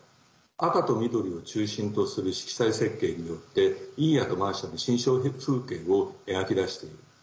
赤と緑を中心とする色彩設計によってイーヤとマーシャの心象風景を描き出している。